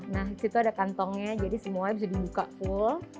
nah disitu ada kantongnya jadi semuanya bisa dibuka full